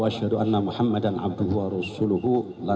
saya syahadatkan muhammad adalah rasulullah dan rasulullah